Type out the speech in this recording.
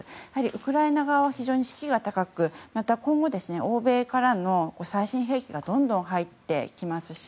ウクライナ側は非常に士気が高く今後、欧米からの最新兵器がどんどん入ってきますし。